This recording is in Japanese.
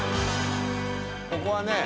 ここはね